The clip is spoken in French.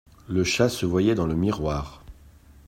Le chat se voyait dans le miroir.